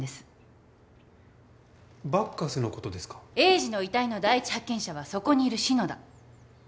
栄治の遺体の第一発見者はそこにいる篠田。